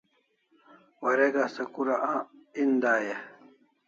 Warek asta kura en dai e?